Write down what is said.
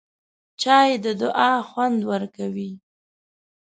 چای د دعا خوند پوره کوي